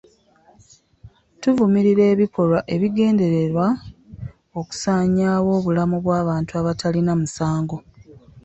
Tuvumirira ebikolwa ebigendererwa okusaanyaawo obulamu bw'abantu abatalina musango.